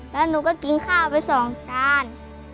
แล้วหนูก็กินข้าวไป๒จาน